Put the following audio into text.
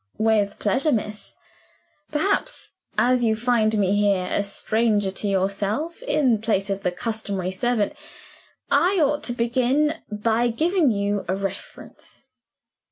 "With pleasure, miss. Perhaps as you find me here, a stranger to yourself, in place of the customary servant I ought to begin by giving you a reference."